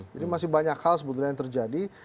jadi masih banyak hal sebetulnya yang terjadi